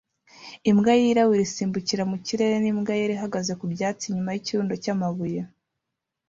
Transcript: Imbwa yirabura isimbukira mu kirere n'imbwa yera ihagaze ku byatsi inyuma yikirundo cyamabuye